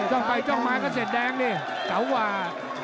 จ้องไปจ้องมาก็เสร็จแดงดิเกาหวา